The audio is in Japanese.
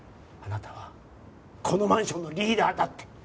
あなたはこのマンションのリーダーだって。